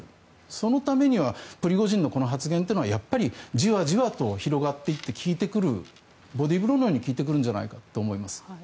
そのためにはプリゴジンのこの発言はじわじわと広がっていって効いてくるボディーブローのように効いてくると思います。